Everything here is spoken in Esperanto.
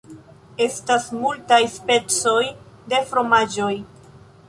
Estas multaj specoj de fromaĝoj.